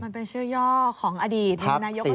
เป็นชื่อย่อของอดีตบรินายกของท่านหมดธรี